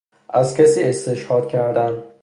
از کسی استشهاد کردن